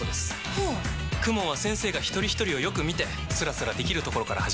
はぁＫＵＭＯＮは先生がひとりひとりをよく見てスラスラできるところから始めます。